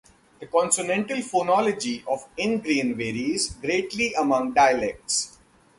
The consonantal phonology of Ingrian varies greatly among dialects.